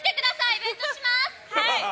イベントします！